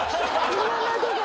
今までが。